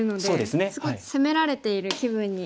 すごい攻められている気分に。